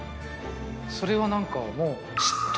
それは何かもう。